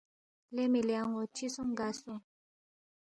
لے مِلی ان٘و چِہ سونگ گانگ سونگ؟